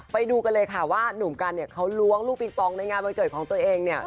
ไปดูกันเลยว่านุ่มกันเนี่ยเขาร้วงลูกปีกพรองด์ในงานแบบเฉยของตัวเองเนี่ย